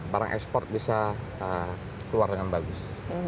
barang ekspor bisa keluar dengan bagus